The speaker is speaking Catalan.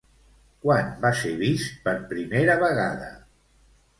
Quan va ser vist per primera vegada?